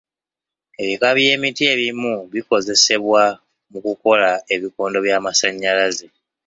Ebika by'emiti ebimu bikozesebwa mu kukola ebikondo by'amasannyalaze.